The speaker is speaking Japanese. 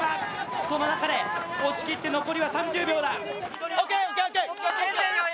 その中で押し切って残りは３０秒だ。